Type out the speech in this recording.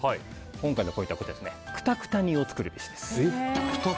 今回のポイントはくたくた煮を作るべしです。